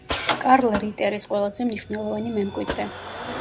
კარლ რიტერის ყველაზე მნიშვნელოვანი მემკვიდრე.